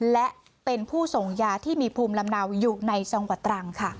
และเป็นผู้ส่งยาที่มีภูมิลำเนาอยู่ในจังหวัดตรังค่ะ